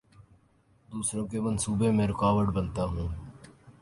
دوسروں کے منصوبوں میں رکاوٹ بنتا ہوں